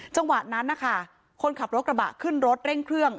จังหวะนั้นนะคะคนขับรถกระบะขึ้นรถเร่งเครื่อง